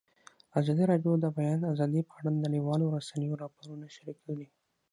ازادي راډیو د د بیان آزادي په اړه د نړیوالو رسنیو راپورونه شریک کړي.